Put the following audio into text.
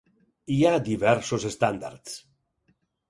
Hi ha diversos estàndards.